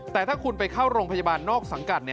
แต่ถ้าคุณไปเข้าโรงพยาบาลนอกสังกัด